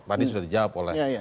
tadi sudah dijawab oleh